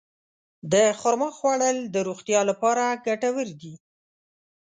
د خرما خوړل د روغتیا لپاره ګټور دي.